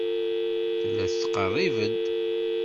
Tella tettqerrib-d.